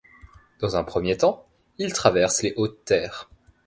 Dans un premier temps, il traverse les Hautes Terres.